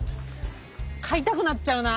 買いたくなっちゃうな